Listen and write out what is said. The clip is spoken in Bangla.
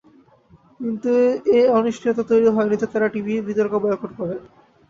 কিন্তু এই অনিশ্চয়তা তৈরি হয়নি যে তাঁরা টিভি বিতর্ক বয়কট করবেন।